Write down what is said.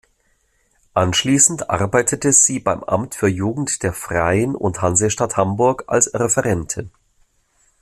Anschließend arbeitete sie beim Amt für Jugend der Freien und Hansestadt Hamburg als Referentin.